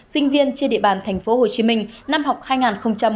sinh viên trên địa bàn tp hcm năm học hai nghìn một mươi chín hai nghìn hai mươi